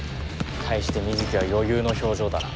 対して水城は余裕の表情だな。